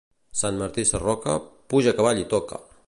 Sant Martí Sarroca, puja a cavall i toca!